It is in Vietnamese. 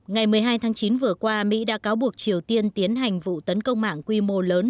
ngày một mươi hai tháng chín vừa qua mỹ đã cáo buộc triều tiên tiến hành vụ tấn công mạng quy mô lớn